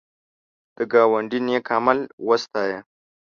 د ګاونډي نېک عمل وستایه